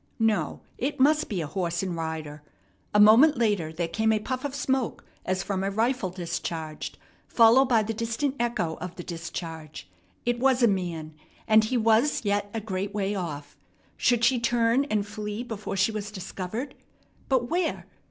No, it must be a horse and rider. A moment later there came a puff of smoke as from a rifle discharged, followed by the distant echo of the discharge. It was a man, and he was yet a great way off. Should she turn and flee before she was discovered? But where?